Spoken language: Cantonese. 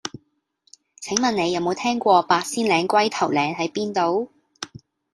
請問你有無聽過八仙嶺龜頭嶺喺邊度